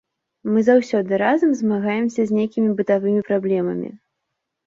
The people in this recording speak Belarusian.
Мы заўсёды разам змагаемся з нейкімі бытавымі праблемамі.